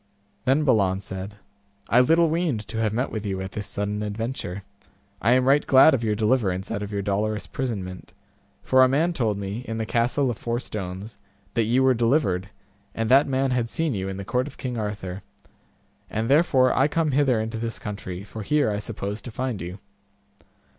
Then Balan said, I little weened to have met with you at this sudden adventure; I am right glad of your deliverance out of your dolorous prisonment, for a man told me, in the castle of Four Stones, that ye were delivered, and that man had seen you in the court of King Arthur, and therefore I came hither into this country, for here I supposed to find you.